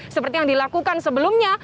seperti yang dilakukan sebelumnya